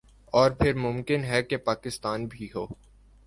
اور پھر ممکن ہے کہ پاکستان بھی ہو